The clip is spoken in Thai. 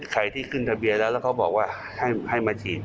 ใครที่ขึ้นทะเบียนแล้วแล้วเขาบอกว่าให้มาฉีด